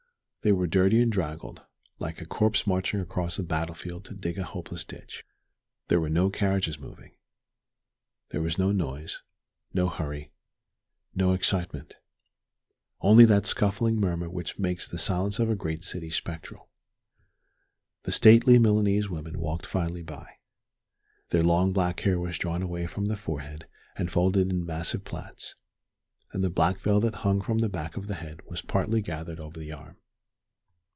They were dirty and draggled, like a corps marching across a battle field to dig a hopeless ditch. There were no carriages moving; there was no noise, no hurry, no excitement, only that scuffling murmur which makes the silence of a great city spectral. The stately Milanese women walked finely by. Their long black hair was drawn away from the forehead and folded in massive plaits; and the black veil that hung from the back of the head was partly gathered over the arm.